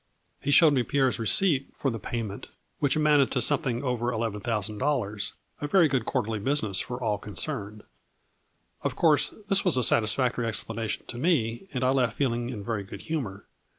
He showed me Pierre's receipt for the payment 124 A FLURRY IJST DIAMONDS. which amounted to something over eleven thou sand dollars, a very good quarters business for all concerned. Of course this was a satisfac tory explanation to me, and I left feeling in very good humor.